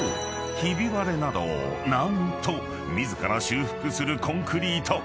ひび割れなどを何と自ら修復するコンクリート］